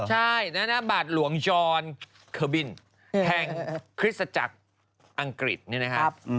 ใช่นานาบาทหลวงจรเคอร์บินแห่งคริสตจักรอังกฤษนี่นะครับ